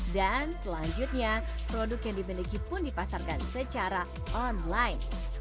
dan selanjutnya produk yang dipindiki pun dipasarkan secara online